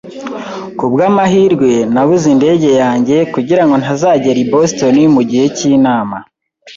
Kubwamahirwe, nabuze indege yanjye, kugirango ntazagera i Boston mugihe cyinama.